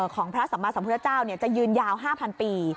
ของพระสัมมาสัมพุทธเจ้าจะยืนยาว๕๐๐ปี